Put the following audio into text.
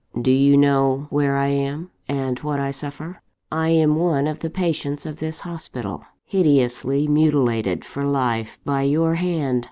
"Do you know where I am, and what I suffer? I am one of the patients of this hospital, hideously mutilated for life by your hand.